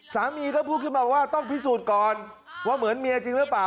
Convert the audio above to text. สามีก็พูดขึ้นมาว่าต้องพิสูจน์ก่อนว่าเหมือนเมียจริงหรือเปล่า